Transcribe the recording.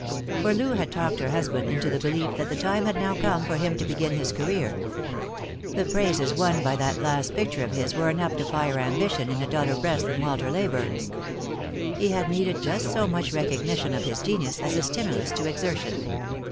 For Loo had talked her husband into the belief that the time had now come for him to begin his career. The praises won by that last little picture of his were enough to fire ambition in a duller breast than Walter Leyburne's. He had needed just so much recognition of his genius as a stimulus to exertion.